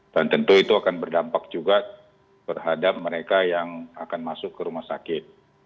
dan tentu itu akan berdampak juga berhadap mereka yang akan masuk ke rumah sakit